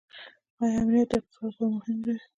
آیا امنیت د اقتصاد لپاره مهم دی؟